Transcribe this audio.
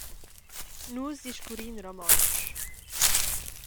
Nus discurrin romontsch.